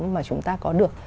mà chúng ta có được